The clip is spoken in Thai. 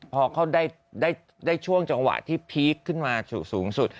พอเขาได้ช่วงจังหวะที่พีคขึ้นมาสูงสุด